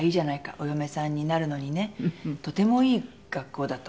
お嫁さんになるのにねとてもいい学校だ”と」